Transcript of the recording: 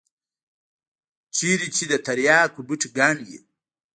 چېرته چې د ترياکو بوټي گڼ وي.